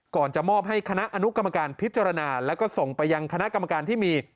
จะมอบให้คณะอนุกรรมการพิจารณาแล้วก็ส่งไปยังคณะกรรมการที่มี